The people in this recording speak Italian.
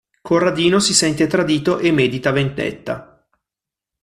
Corradino si sente tradito e medita vendetta.